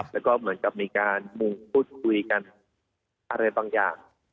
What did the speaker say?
แล้วก็เหมือนกับมีการมุ่งพูดคุยกันอะไรบางอย่าง